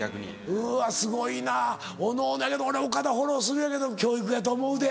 うわすごいなおのおのやけど俺岡田フォローするようやけど教育やと思うで。